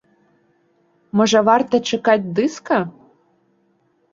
Можа, варта чакаць дыска?